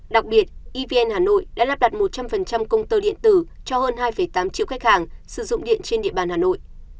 đặc biệt evn hà nội đã lắp đặt một trăm linh công tơ điện tử cho hơn hai tám triệu khách hàng sử dụng điện trên địa bàn hà nội